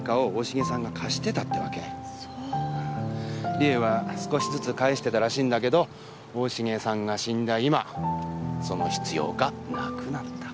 理恵は少しずつ返してたらしいんだけど大重さんが死んだ今その必要がなくなった。